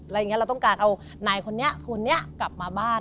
เราต้องการเอานายคนนี้คนนี้กลับมาบ้าน